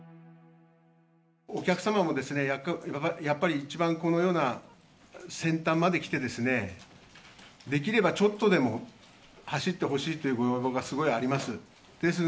お客様もやっぱり、一番このような先端まで来て、できればちょっとでも走ってほしいというご要望がすごいあります。